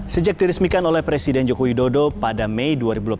sejak diresmikan oleh presiden joko widodo pada mei dua ribu delapan belas